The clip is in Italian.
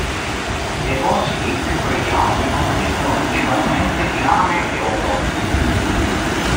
I depositi più pregiati consistono principalmente di rame e oro.